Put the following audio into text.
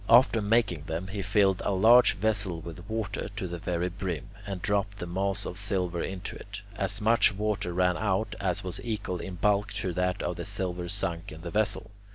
After making them, he filled a large vessel with water to the very brim, and dropped the mass of silver into it. As much water ran out as was equal in bulk to that of the silver sunk in the vessel.